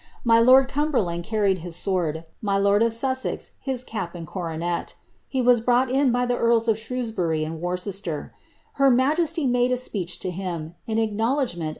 My lord Cumberland carried his sword, my lord of Sussex his cap and coronet. He was brought in by the earls of Shrewsbury and Worcester. Her majesty made a speech to him, in acknowledgment